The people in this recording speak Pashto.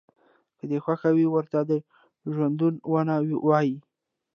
که دې خوښه ي ورته د ژوندانه ونه وایه.